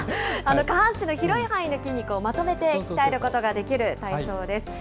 下半身の広い範囲の筋肉をまとめて鍛えることができる体操です。